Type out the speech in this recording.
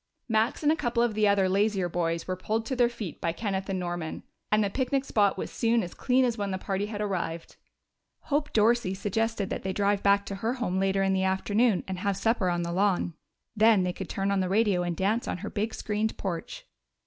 Max and a couple of the other lazier boys were pulled to their feet by Kenneth and Norman, and the picnic spot was soon as clean as when the party had arrived. Hope Dorsey suggested that they drive back to her home later in the afternoon and have supper on the lawn. Then they could turn on the radio and dance on her big screened porch.